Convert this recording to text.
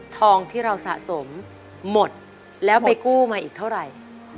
ทองที่เราสะสมหมดแล้วไปกู้มาอีกเท่าไหร่